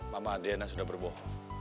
mama adriana sudah berboh